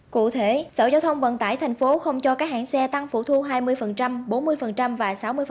cụ thể sở giao thông vận tải thành phố không cho các hãng xe tăng phụ thu hai mươi bốn mươi và sáu mươi